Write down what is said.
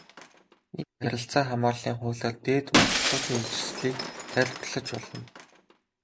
Энэ харилцаа хамаарлын хуулиар Дээд Монголчуудын ижилслийг тайлбарлаж болно.